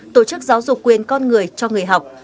tổ chức giáo dục quyền con người cho người học